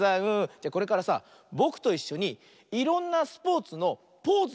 じゃこれからさぼくといっしょにいろんなスポーツのポーズをしてみようよ。